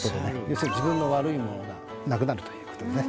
要するに自分の悪いものがなくなるという事でね